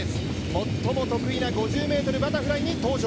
最も得意な５０ｍバタフライに登場。